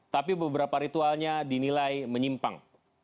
tapi beberapa ritualnya dinilai menyimpang